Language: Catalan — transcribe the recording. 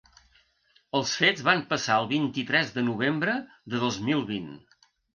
Els fets van passar el vint-i-tres de novembre de dos mil vint.